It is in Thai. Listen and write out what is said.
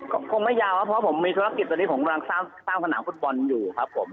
ก็คงไม่ยาวครับเพราะผมมีธุรกิจตอนนี้ผมกำลังสร้างสนามฟุตบอลอยู่ครับผม